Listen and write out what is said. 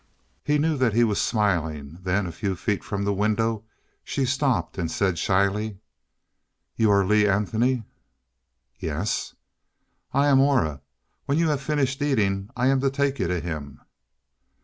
He knew that he was smiling; then, a few feet from the window she stopped and said shyly: "You are Lee Anthony?" "Yes." "I am Aura. When you have finished eating, I am to take you to him."